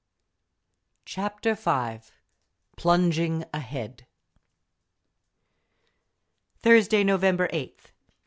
Chapter V Plunging Ahead Thursday, November 8th.